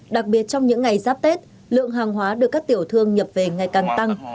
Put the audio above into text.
đặc biệt trong những ngày giáp tết lượng hàng hóa được các tiểu thương nhập về ngày càng tăng